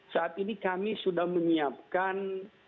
saat ini kami sudah menyiapkan